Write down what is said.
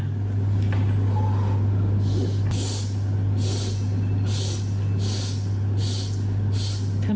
อุ๊ยนอนเหรอ